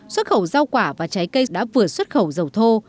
xuất khẩu rau quả và trái cây đã vừa xuất khẩu dầu thô